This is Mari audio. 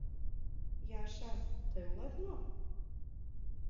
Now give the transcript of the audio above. — Яша, тый улат мо?